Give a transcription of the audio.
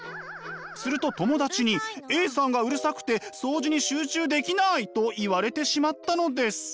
すると友達に「Ａさんがうるさくて掃除に集中できない」と言われてしまったのです。